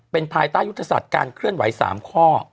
เป็นภายใต้ยุทธศาสตร์การเคลื่อนไหว๓ข้อ